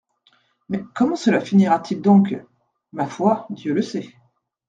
»Mais, comment cela finira-t-il donc ? »Ma foi, Dieu le sait.